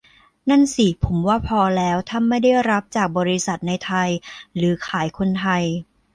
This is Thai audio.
นั่นสิ ผมว่าพอแล้ว ถ้าไม่ได้รับจากบริษัทในไทยหรือขายคนไทย